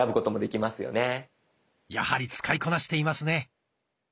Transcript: やはり使いこなしていますね。